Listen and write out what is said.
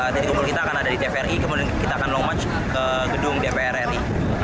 kumpul kita akan ada di tvri kemudian kita akan long march ke gedung dpr ri